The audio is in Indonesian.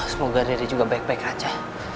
semoga diri juga baik baik aja